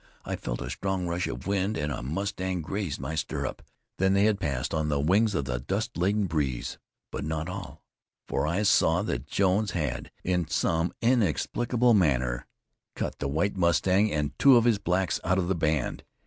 I felt a strong rush of wind and a mustang grazed my stirrup. Then they had passed, on the wings of the dust laden breeze. But not all, for I saw that Jones had, in some inexplicable manner, cut the White Mustang and two of his blacks out of the band.